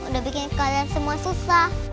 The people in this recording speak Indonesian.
udah bikin kayak semua susah